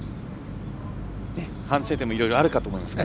反省点もいろいろあると思いますが。